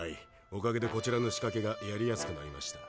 おかげでこちらの仕かけがやりやすくなりました。